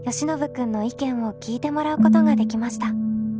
君の意見を聞いてもらうことができました。